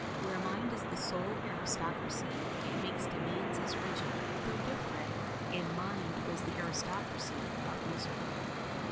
Where mind is the sole aristocracy it makes demands as rigid, though different, and mind was the aristocracy of Mizora.